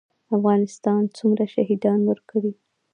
افغانستان څومره شهیدان ورکړي؟